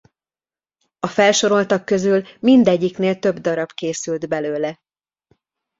A felsoroltak közül mindegyiknél több darab készült belőle.